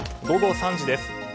午後３時です。